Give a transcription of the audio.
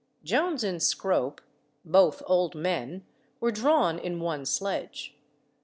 Jones and Scrope (both old men) were drawn in one sledge.